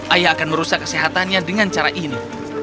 ayah akan merusak kesehatannya dengan cara ini